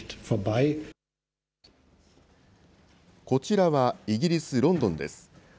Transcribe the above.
こちらはイギリス・ロンドンです。